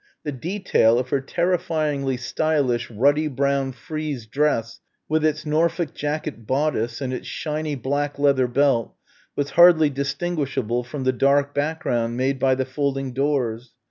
The detail of her terrifyingly stylish ruddy brown frieze dress with its Norfolk jacket bodice and its shiny black leather belt was hardly distinguishable from the dark background made by the folding doors.